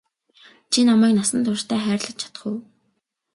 Чи намайг насан туршдаа хайрлаж чадах уу?